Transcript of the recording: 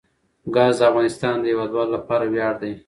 ګاز د افغانستان د هیوادوالو لپاره ویاړ دی.